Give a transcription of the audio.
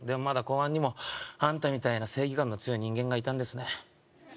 まだ公安にもあんたみたいな正義感の強い人間がいたんですね